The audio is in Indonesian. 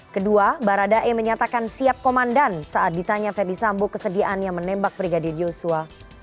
kedua baradae menyatakan siap komandan saat ditanya ferdisambo kesediaan yang menembak brigadir yusua